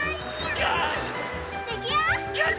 よし！